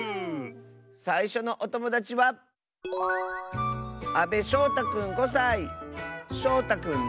さいしょのおともだちはしょうたくんの。